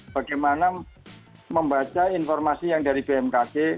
bagaimana membaca informasi yang dari bmkg